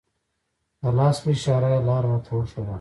د لاس په اشاره یې لاره راته وښودله.